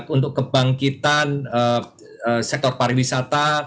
untuk kebangkitan sektor pariwisata